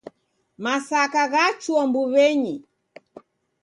Masaka ghachua mbuw'enyi.